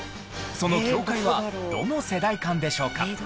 その境界はどの世代間でしょうか？